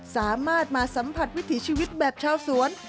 สามารถมาสัมผัสวิถีชีวิตแบบชาวสวน